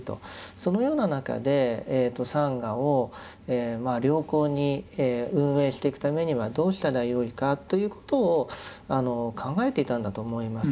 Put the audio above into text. そのような中でサンガを良好に運営していくためにはどうしたらよいかということを考えていたんだと思います。